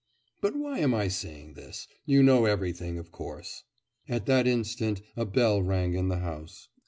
But why am I saying this? you know everything, of course.' At that instant a bell rang in the house.